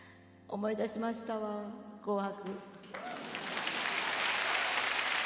思い出しましたわ「紅白」。